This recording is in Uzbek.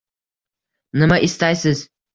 Nima istaysiz?